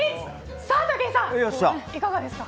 さあ、武井さん、いかがですか。